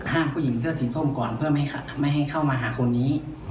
ผู้หญิงเสื้อสีส้มก่อนเพื่อไม่ให้เข้ามาหาคนนี้